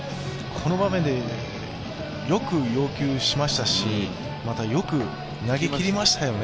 この場面で、よく要求しましたし、また、よく投げきりましたよね。